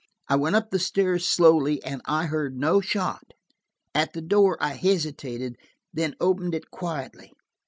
I went up the stairs, slowly, and I heard no shot. At the door I hesitated, then opened it quietly.